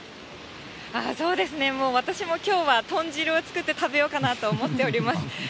そうですね、もう私もきょうは、豚汁を作って食べようかなと思っております。